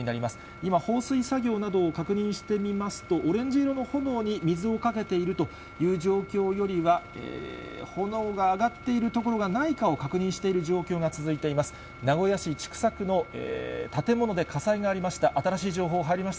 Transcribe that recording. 今、放水作業などを確認してみますと、オレンジ色の炎に水をかけているという状況よりは、炎が上がっている所がないかを確認している状況が続いています。